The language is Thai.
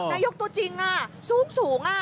นายกตัวจริงอะสูงอะ